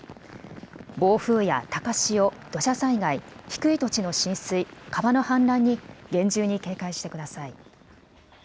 暴風や高潮、土砂災害低い土地の浸水、川の氾濫に厳重に警戒してください。